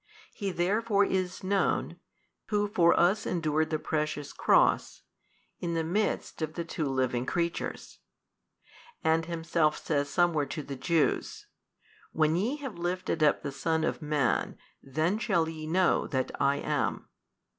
He therefore is known, Who for us endured the Precious Cross, in the midst of the two living creatures. And Himself says somewhere to the Jews, When ye have lifted up the son of man, then shall ye know that I am.